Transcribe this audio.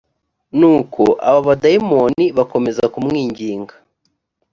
nuko abo badayimoni bakomeza kumwinginga